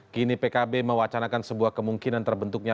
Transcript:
kini pkb mewacanakan sebuah kemungkinan terbentuknya